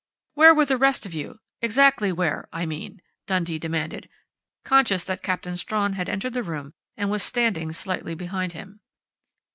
"Where were the rest of you exactly where, I mean?" Dundee demanded, conscious that Captain Strawn had entered the room and was standing slightly behind him.